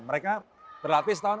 mereka berlatih setahun